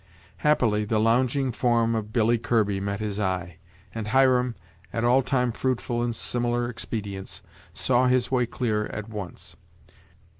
Happily, the lounging form of Billy Kirby met his eye, and Hiram, at all time fruitful in similar expedients, saw his way clear at once.